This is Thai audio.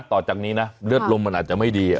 ต่อจากนี้นะเลือดลมมันอาจจะไม่ดี